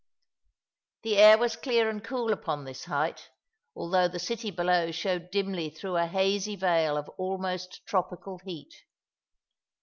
The air was clear and cool upon this height, although the city below showed dimly through a hazy veil of almost tropical heat.